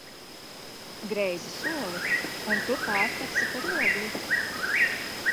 Greizu soli un tu pārtapsi par ogli!